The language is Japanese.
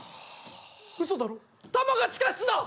うそだろ弾が地下室だ！